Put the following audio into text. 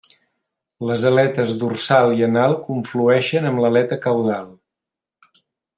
Les aletes dorsal i anal conflueixen amb l'aleta caudal.